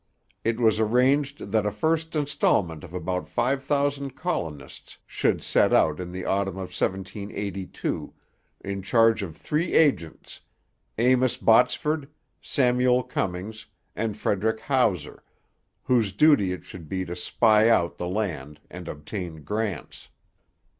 It was arranged that a first instalment of about five hundred colonists should set out in the autumn of 1782, in charge of three agents, Amos Botsford, Samuel Cummings, and Frederick Hauser, whose duty it should be to spy out the land and obtain grants.